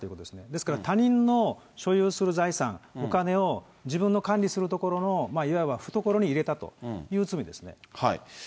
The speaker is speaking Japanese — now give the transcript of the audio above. ですから、他人の所有する財産、お金を、自分の管理するところのいわば懐に入れたという罪ですね。